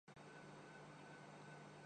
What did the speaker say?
عرب دنیا ہمارے ساتھ تو بالکل نہیں۔